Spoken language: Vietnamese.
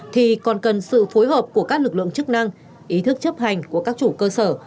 thì còn cần sự phối hợp của các lực lượng chức năng ý thức chấp hành của các chủ cơ sở